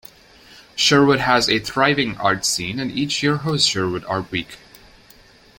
Sherwood has a thriving arts scene and each year hosts Sherwood Art Week.